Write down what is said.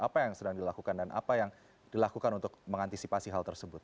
apa yang sedang dilakukan dan apa yang dilakukan untuk mengantisipasi hal tersebut